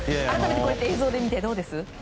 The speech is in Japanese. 改めて映像で見てどうです？